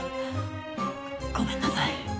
ごめんなさい。